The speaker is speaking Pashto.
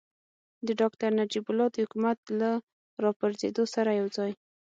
د ډاکتر نجیب الله د حکومت له راپرځېدو سره یوځای.